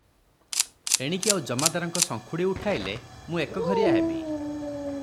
ଏଣିକି ଆଉ ଜମାଦାରଙ୍କ ସଙ୍କୁଡି ଉଠାଇଲେ ମୁଁ ଏକଘରିଆ ହେବି ।